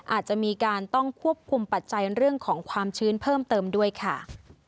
อาจจะมีการต้องควบคุมปัจจัยเรื่องของความชื้นเพิ่มเติมด้วยค่ะ